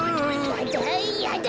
やだやだ！